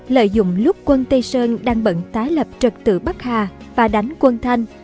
lợi dụng lúc quân tây sơn đang bận tái lập trật tự bắc hà và đánh quân thanh